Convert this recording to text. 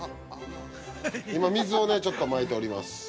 ◆今、水をね、ちょっとまいております。